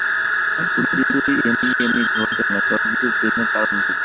কোনকিছুই এমনি এমনি ঘটেনা, সবকিছুর পেছনে কারণ থাকে।